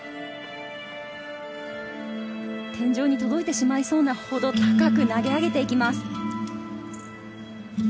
天井に届いてしまいそうなほど高く投げ上げていきます。